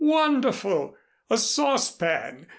"Wonderful! A saucepan!